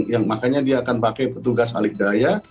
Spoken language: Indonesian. yang makanya dia akan pakai petugas alikdaya